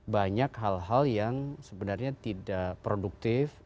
banyak hal hal yang sebenarnya tidak produktif